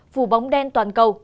phủ bóng đen toàn cầu